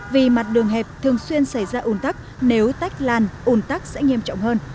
vì mặt đường hẹp thường xuyên xảy ra ủn tắc nếu tách làn ủn tắc sẽ nghiêm trọng hơn